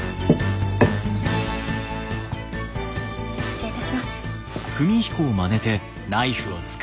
失礼いたします。